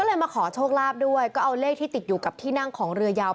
เอาเร็วเลขที่ติดอยู่กับของเรือยาว